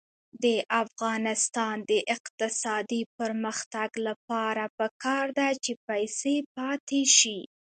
د افغانستان د اقتصادي پرمختګ لپاره پکار ده چې پیسې پاتې شي.